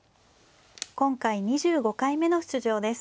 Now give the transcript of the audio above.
今回２５回目の出場です。